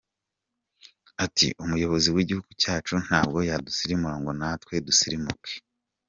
Ati “ Umuyobozi w’Igihugu cyacu ntabwo yadusirimura ngo natwe twe kudasirumuka.